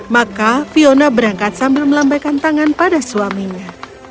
maka fiona berangkat sambil melambaikan tangan pada suaminya